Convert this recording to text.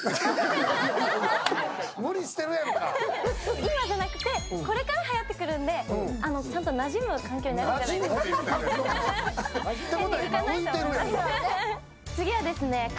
今じゃなくてこれからはやってくるんでちゃんと、なじむ環境になるんじゃないですか。